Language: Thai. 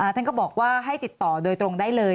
ท่านก็บอกว่าให้ติดต่อโดยตรงได้เลย